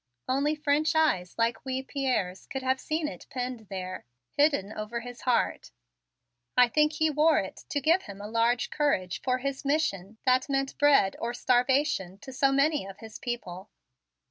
Only French eyes like wee Pierre's could have seen it pinned there hidden over his heart. I think he wore it to give him a large courage for his mission that meant bread or starvation to so many of his people.